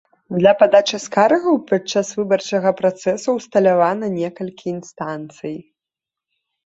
Для падачы скаргаў падчас выбарчага працэсу ўсталявана некалькі інстанцый.